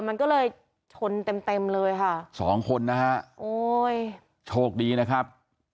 มันก็เลยชนเต็มเต็มเลยค่ะสองคนนะฮะโอ้ยโชคดีนะครับ